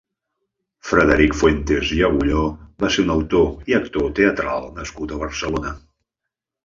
Frederic Fuentes i Agulló va ser un autor i actor teatral nascut a Barcelona.